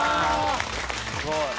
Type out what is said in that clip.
すごい！